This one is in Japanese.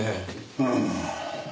うん。